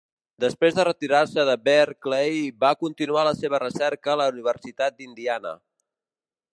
Després de retirar-se de Berkeley, va continuar la seva recerca a la Universitat d'Indiana.